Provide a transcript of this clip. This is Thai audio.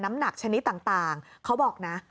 น้ำหนักชนิดต่างเขาบอกนะ